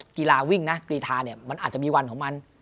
กีฬาวิ่งนะกรีธาเนี่ยมันอาจจะมีวันของมัน